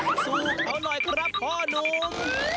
สู้เขาหน่อยครับพ่อนุ่ม